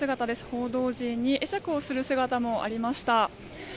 報道陣に会釈をする姿もありました。